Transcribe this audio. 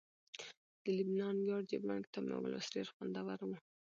د لبنان ویاړ جبران کتاب مې ولوست ډیر خوندور وو